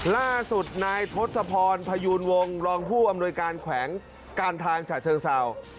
ล่าสุดนายทศพรพยูนวงรองผู้อำนวยการแขวงการทางฉะเชิงเศร้า